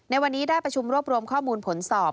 ในวันนี้ได้ประชุมรวบรวมข้อมูลผลสอบ